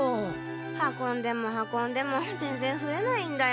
運んでも運んでもぜんぜんふえないんだよ。